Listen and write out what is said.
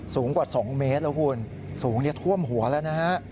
สูงกว่า๒เมตรแล้วคุณสูงท่วมหัวแล้วนะฮะ